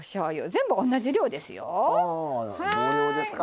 全部、同じ量ですよ。